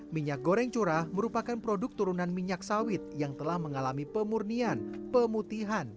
minyak goreng curah merupakan produk turunan minyak sawit yang telah mengalami pemurnian pemutihan